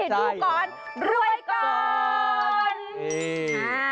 ดูก่อนรวยก่อน